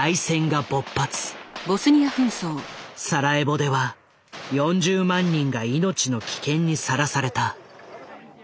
サラエボでは４０万人が命の危険にさらされた。